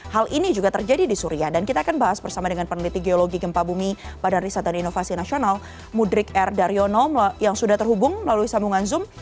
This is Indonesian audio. hal ini juga terjadi di suria dan kita akan bahas bersama dengan peneliti geologi gempa bumi badan riset dan inovasi nasional mudrik r daryono yang sudah terhubung melalui sambungan zoom